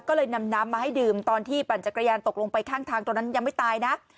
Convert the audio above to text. ก็เลยนำน้ำมาให้ดื่มตอนที่ปั่นจักรยานตกลงไปข้างทางตอนนั้นยังไม่ตายนะ